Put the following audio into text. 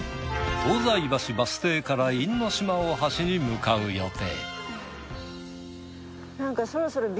東西橋バス停から因島大橋に向かう予定。